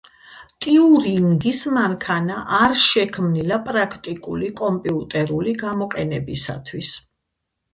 ტიურინგის მანქანა არ შექმნილა პრაქტიკული კომპიუტერული გამოყენებისთვის.